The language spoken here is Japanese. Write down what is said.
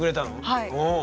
はい。